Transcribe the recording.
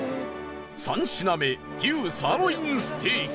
３品目牛サーロインステーキ